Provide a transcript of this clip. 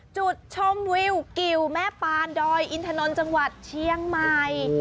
จุดชมวิวกิวแม่ปานดอยอินทนนท์จังหวัดเชียงใหม่